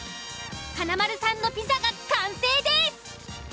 華丸さんのピザが完成です。